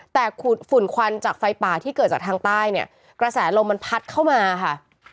แต่ฝุ่นควันจากไฟป่าที่เกิดจากทางใต้เนี่ยกระแสลมมันพัดเข้ามาค่ะ